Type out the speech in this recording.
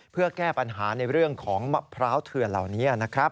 เพื่อแก้ปัญหาในเรื่องของมะพร้าวเถื่อนเหล่านี้นะครับ